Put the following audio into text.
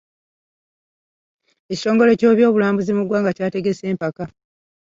Ekitongole ky'ebyobulambuzi mu ggwanga kyategese empaka.